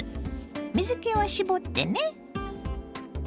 水けは絞ってね。